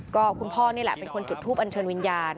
ก็คุณพ่อนี่แหละเป็นคนจุดทูปอันเชิญวิญญาณ